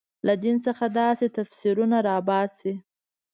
له دین څخه داسې تفسیرونه راباسي.